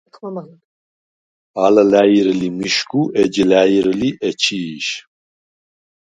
ალ ლა̈ირ ლი მიშგუ, ეჯ ლა̈ირ ლი ეჩი̄შ.